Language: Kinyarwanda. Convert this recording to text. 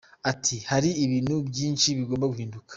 Ati “Hari ibintu byinshin bigomba guhinduka.